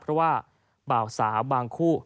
เพราะว่าบ่าวสาวบางคู่